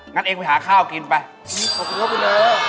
งั้นเองไปหาข้าวกินไปขอบคุณครับคุณแน่